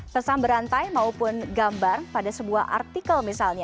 pesan berantai maupun gambar pada sebuah artikel misalnya